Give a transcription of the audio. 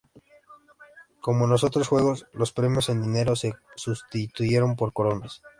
Como en los otros juegos, los premios en dinero se sustituyeron por coronas.